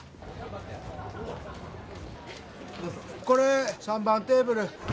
これ３番テーブル。